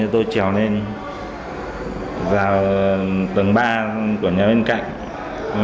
tôi trèo lên tầng ba của nhà bên cạnh